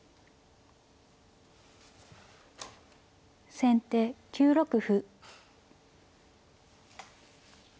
先手６六歩。